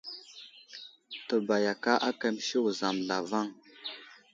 Təbayaka ákà məsi wuzam zlavaŋ.